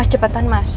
mas cepetan mas